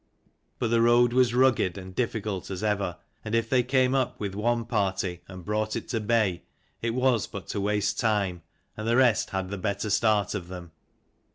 But the road was rugged and difficult as ever, and if they came up with one party, and brought it to bay, it was but to waste time, and the rest had the better start of them.